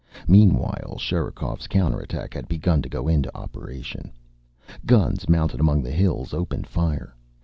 Meanwhile, Sherikov's counter attack had begun to go into operation. Guns mounted among the hills opened fire.